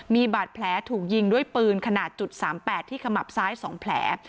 มีบาดแผลถูกยิงด้วยปืนขนาด๓๘ที่ขมับซ้าย๒แผล